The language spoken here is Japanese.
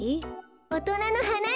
おとなのはなによ。